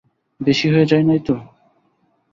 বেশি হয়ে যায় নিতো।